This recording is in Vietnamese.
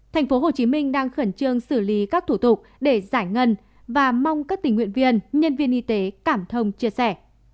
tp hcm đang khẩn trương xử lý các thủ tục để giải ngân và mong các tình nguyện viên nhân viên y tế cảm thông chia sẻ